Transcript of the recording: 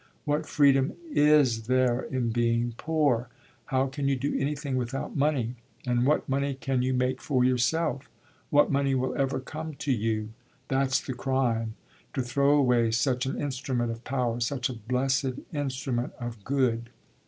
What freedom is there in being poor? How can you do anything without money, and what money can you make for yourself what money will ever come to you? That's the crime to throw away such an instrument of power, such a blessed instrument of good."